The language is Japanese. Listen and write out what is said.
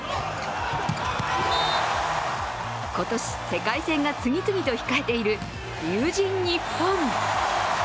今年、世界戦が次々と控えている龍神ＮＩＰＰＯＮ。